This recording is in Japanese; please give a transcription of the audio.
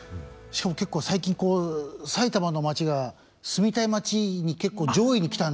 しかも結構最近埼玉の町が住みたい町に結構上位に来たんで。